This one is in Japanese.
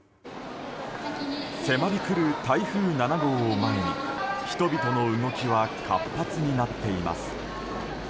迫り来る台風７号を前に人々の動きは活発になっています。